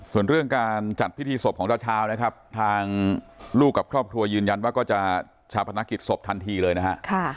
ส่วนเรื่องการจัดพิธีศพของเจ้าเช้านะครับทางลูกกับครอบครัวยืนยันว่าก็จะชาวพนักกิจศพทันทีเลยนะฮะ